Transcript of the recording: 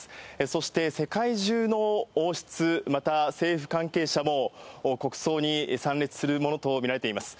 そして世界中の王室、また政府関係者も国葬に参列するものと見られています。